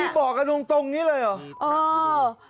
พี่พี่บอกกันตรงนี้เลยเหรอ